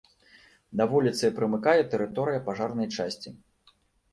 Да вуліцы прымыкае тэрыторыя пажарнай часці.